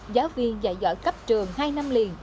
giáo viên dạy giỏi cấp trường hai năm liền